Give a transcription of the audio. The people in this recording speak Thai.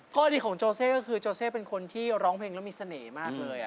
ข้อดีของโจเซ่ก็คือโจเซ่เป็นคนที่ร้องเพลงแล้วมีเสน่ห์มากเลย